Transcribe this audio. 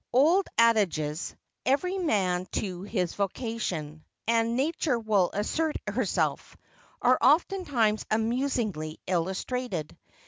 The old adages, "Every man to his vocation," and "Nature will assert herself" are oftentimes amusingly illustrated.